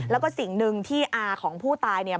แล้วก็สิ่งหนึ่งที่อาของผู้ตายเนี่ย